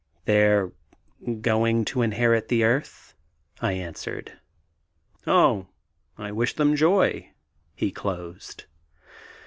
"They're going to inherit the earth," I answered. "Oh, I wish them joy," he closed.